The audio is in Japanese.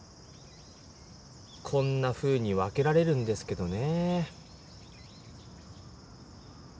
こんなふうに分けられるんですけどね。